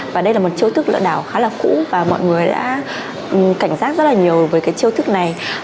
và đây là một chiêu thức lừa đảo khá là cũ và mọi người đã cảnh giác rất là nhiều với cái chiêu thức này